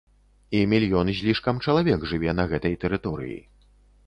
І мільён з лішкам чалавек жыве на гэтай тэрыторыі.